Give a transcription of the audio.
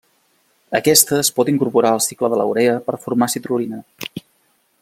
Aquesta es pot incorporar al cicle de la urea per formar citrul·lina.